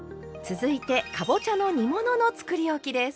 続いてかぼちゃの煮物のつくりおきです。